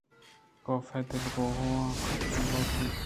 کاف ءِ دل گوں آواں گپ نہ لوٹ اِت